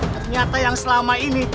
ternyata yang selama ini